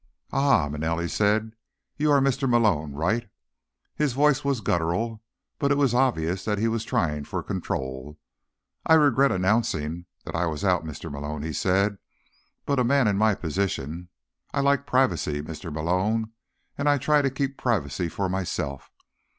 "Aha," Manelli said. "You are Mr. Malone, right?" His voice was guttural, but it was obvious that he was trying for control. "I regret announcing that I was out, Mr. Malone," he said. "But a man in my position—I like privacy, Mr. Malone, and I try to keep privacy for myself.